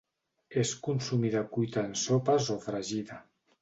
És consumida cuita en sopes o fregida.